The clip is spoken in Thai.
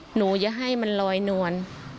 อย่าให้มันลอยนวล